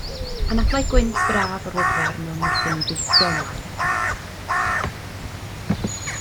Anadlai gwynt braf o'r Wyddfa arnom wrth i ni deithio ymlaen.